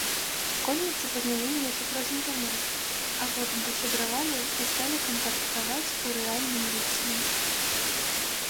Школьніцы пазнаёміліся праз інтэрнэт, а потым пасябравалі і сталі кантактаваць у рэальным жыцці.